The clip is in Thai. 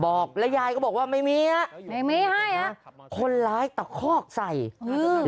บอกแล้วยายก็บอกว่าไม่มีอ่ะไม่มีให้ฮะคนร้ายตะคอกใส่อ่า